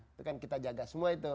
itu kan kita jaga semua itu